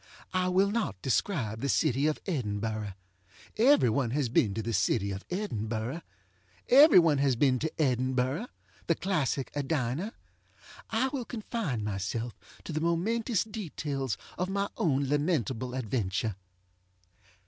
I will not describe the city of Edinburgh. Every one has been to the city of Edinburgh. Every one has been to EdinburghŌĆöthe classic Edina. I will confine myself to the momentous details of my own lamentable adventure.